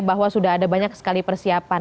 bahwa sudah ada banyak sekali persiapan